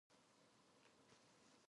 Acion